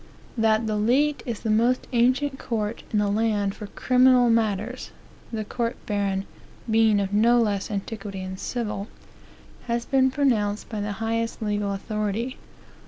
"That the leet is the most ancient court in the land for criminal matters, (the court baron being of no less antiquity in civil,) has been pronounced by the highest legal authority.